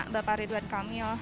bapak ridwan kamil